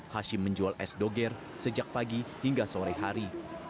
hashim menjual es doger sejak pagi hingga sore hari